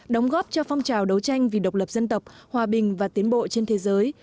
đóng góp cho phong trào đấu tranh vì độc lập dân tộc hòa bình và tiến bộ trên thế giới